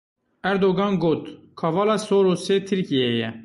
Erdogan got, Kavala Sorosê Tirkiyeyê ye.